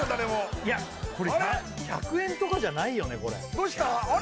いやこれ１００円とかじゃないよねどうしたあれ？